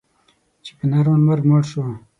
چې په نارمل مرګ مړ شو.